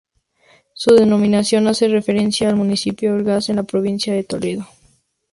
Su denominación hace referencia al municipio de Orgaz, en la provincia de Toledo.